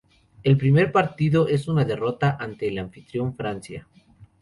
El primer partido es una derrota ante el anfitrión Francia.